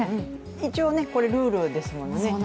一応これはルールですもんね。